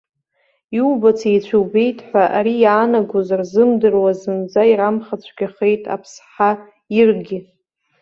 Иубац еицәа убеит ҳәа, ари иаанагоз рзымдыруа зынӡа ирамхацәгьахеит аԥсҳа иргьы.